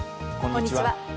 こんにちは。